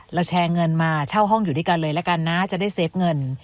แชร์เงินมาเช่าห้องอยู่ด้วยกันเลยละกันนะจะได้เซฟเงิน